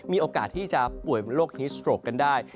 มีโอกาสที่จะป่วยเป็นโรคฮิสโตรกกันได้